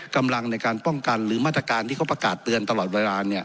กำลังในการป้องกันหรือมาตรการที่เขาประกาศเตือนตลอดเวลา